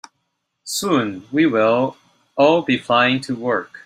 Soon, we will all be flying to work.